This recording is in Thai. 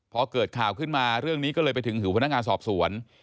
พอเกิดข่าวขึ้นมาเรื่องนี้ก็เลยไปถึงหูพนักงานสอบสวน